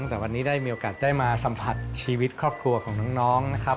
แต่วันนี้ได้มีโอกาสได้มาสัมผัสชีวิตครอบครัวของน้องนะครับ